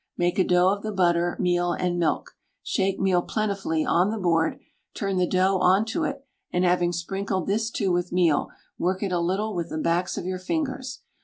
Make a dough of the butter, meal, and milk; shake meal plentifully on the board, turn the dough on to it, and having sprinkled this too with meal, work it a little with the backs of your fingers.